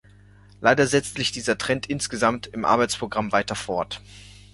Leider setzt sich dieser Trend insgesamt im Arbeitsprogramm weiter fort.